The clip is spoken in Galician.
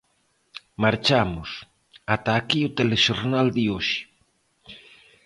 Marchamos, ata aquí o Telexornal de hoxe.